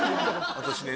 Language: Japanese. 私ね。